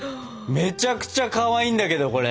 めちゃくちゃかわいいんだけどこれ！